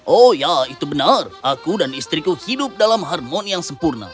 oh ya itu benar aku dan istriku hidup dalam harmoni yang sempurna